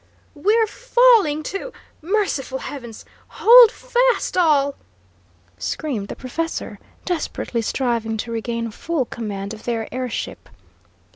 "We're falling to merciful heavens! Hold fast, all!" screamed the professor, desperately striving to regain full command of their air ship.